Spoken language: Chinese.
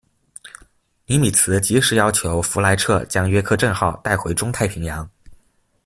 尼米兹即时要求弗莱彻将约克镇号带回中太平洋。